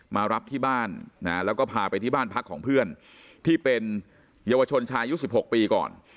มารับที่บ้านนะแล้วก็พาไปที่บ้านพักของเพื่อนที่เป็นเยาวชนชายุ๑๖ปีก่อน